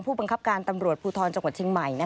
ผู้บังคับการตำรวจภูทรจังหวัดเชียงใหม่